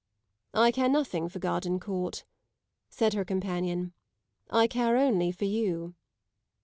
"I care nothing for Gardencourt," said her companion. "I care only for you."